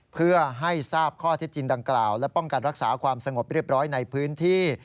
เพื่อให้ทราบข้อเท็จจริงดังกล่าวและป้องกันรักษาความสงบเรียบร้อยในพื้นที่